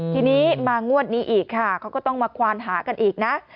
ทีนี้มางวดนี้อีกค่ะเขาก็ต้องมาควานหากันอีกนะ